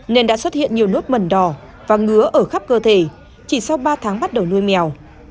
nên đã xuất hiện nhiều nốt mần đỏ và ngứa ở khắp cơ thể chỉ sau ba tháng bắt đầu nuôi mèo